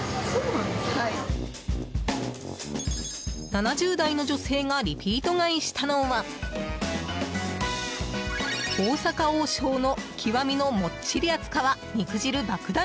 ７０代の女性がリピート買いしたのは大阪王将の極みのもっちり厚皮肉汁爆弾